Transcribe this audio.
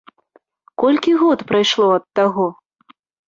Колькі год прайшло ад таго?